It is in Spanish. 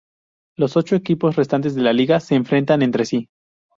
Los ocho equipos restantes de la Liga se enfrentan entre sí.